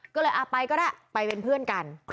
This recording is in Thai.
ก็เลยไปก็ได้ไปเป็นเพื่อนกัน